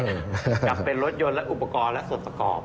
ในรถยนต์และอุปกรณ์และส่วนประกอบ